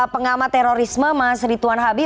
pengamaterorisme mas rituan habib